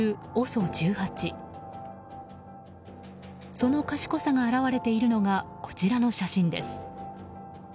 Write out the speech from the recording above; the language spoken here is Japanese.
その賢さが表れているのがこちらの写真です。